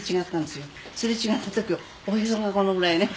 すれ違った時はおへそがこのぐらいね。